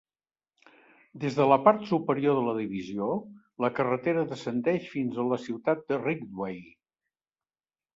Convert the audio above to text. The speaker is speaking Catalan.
Des de la part superior de la divisió, la carretera descendeix fins a la ciutat de Ridgway.